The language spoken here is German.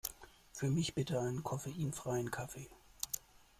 Für mich bitte einen koffeinfreien Kaffee!